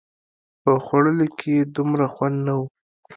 په خوړلو کښې يې دومره خوند نه و.